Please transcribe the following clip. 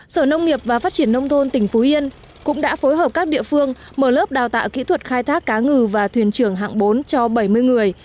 sở nông nghiệp và phát triển nông thôn tỉnh phú yên cũng đã phối hợp các địa phương mở lớp đào tạo kỹ thuật khai thác cá ngừ và thuyền trưởng hạng bốn cho bảy mươi người